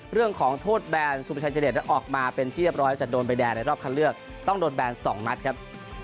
เรื่องของโทษแบนสุประชายเจเดชออกมาเป็นที่เรียบร้อยจะโดนใบแดงในรอบคันเลือกต้องโดนแบน๒นัดครับ